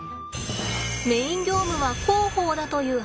メイン業務は広報だという長谷川さん